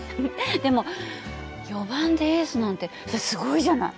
でも４番でエースなんてすごいじゃない。